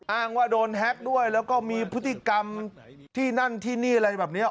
อ้างว่าโดนแฮ็กด้วยแล้วก็มีพฤติกรรมที่นั่นที่นี่อะไรแบบนี้